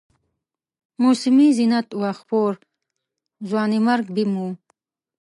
موسمي زینت و خپور، ځوانیمرګ بیم و